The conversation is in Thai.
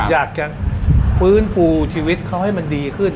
อยากจะฟื้นฟูชีวิตเขาให้มันดีขึ้น